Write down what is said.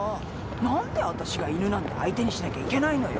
何でわたしが犬なんて相手にしなきゃいけないのよ。